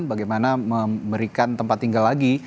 bagaimana memberikan tempat tinggal lagi